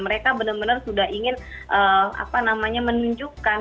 mereka benar benar sudah ingin menunjukkan